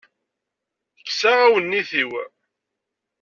Kkseɣ awennit-iw.